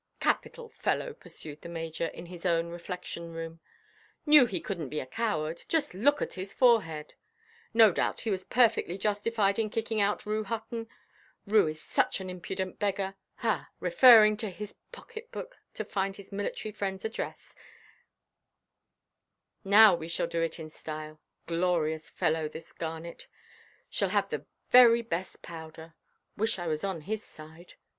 "Capital fellow!" pursued the Major, in his own reflection–room; "knew he couldnʼt be a coward: just look at his forehead. No doubt he was perfectly justified in kicking out Rue Hutton; Rue is such an impudent beggar. Ah! referring to his pocket–book to find his military friendʼs address; now we shall do it in style. Glorious fellow this Garnet—shall have the very best powder. Wish I was on his side."